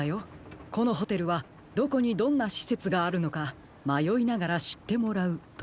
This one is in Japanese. このホテルはどこにどんなしせつがあるのかまよいながらしってもらうと。